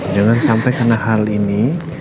jangan sampai karena hal ini